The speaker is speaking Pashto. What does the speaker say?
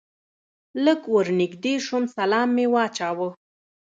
لږ ور نږدې شوم سلام مې واچاوه.